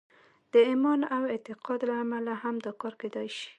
د ایمان او اعتقاد له امله هم دا کار کېدای شي